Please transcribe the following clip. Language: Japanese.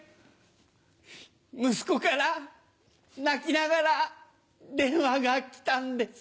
息子から泣きながら電話が来たんです。